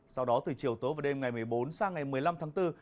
sau đó từ chiều tối và đêm ngày một mươi bốn sang ngày một mươi năm tháng bốn